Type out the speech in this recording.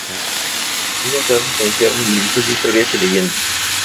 Es un cerro que encierra numerosas historias y leyendas.